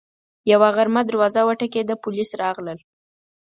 یوه غرمه دروازه وټکېده، پولیس راغلل